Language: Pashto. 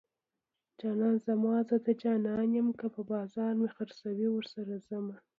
جانان زما زه د جانان یم که په بازار مې خرڅوي ورسره ځمه